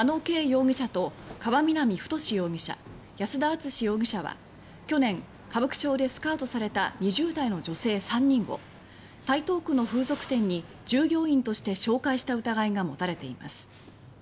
容疑者と川南太容疑者安田篤史容疑者は、去年歌舞伎町でスカウトされた２０代の女性３人を台東区の風俗店に従業員として紹介した疑いが持たれています。